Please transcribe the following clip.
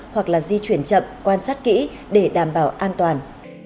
hoặc là di chuyển chậm quan sát kỹ để đảm bảo an toàn